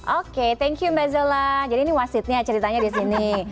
oke thank you mbak zola jadi ini wasitnya ceritanya disini